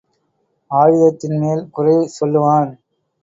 ஆயுதத்தின் மேல் குறை சொல்லுவான்.